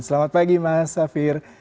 selamat pagi mas safir